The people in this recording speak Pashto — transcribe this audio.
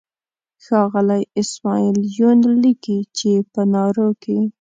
ښاغلی اسماعیل یون لیکي چې په نارو کې.